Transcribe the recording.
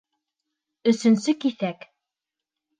Өсөнсө киҫәк.